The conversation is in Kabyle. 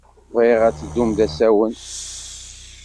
Bɣiɣ ad teddumt d asawen.